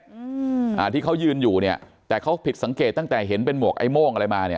อืมอ่าที่เขายืนอยู่เนี้ยแต่เขาผิดสังเกตตั้งแต่เห็นเป็นหมวกไอ้โม่งอะไรมาเนี้ย